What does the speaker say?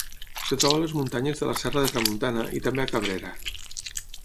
Es troba a les muntanyes de la Serra de Tramuntana, i també a Cabrera.